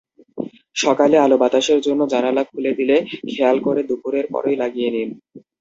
সকালে আলো-বাতাসের জন্য জানালা খুলে দিলে খেয়াল করে দুপুরের পরই লাগিয়ে নিন।